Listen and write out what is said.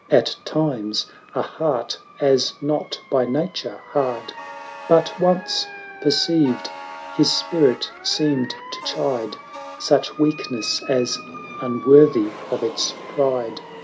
At times, a heart as not by nature hard, — But once perceived, his Spirit seemed to chide Such weakness as unworthy of its pride.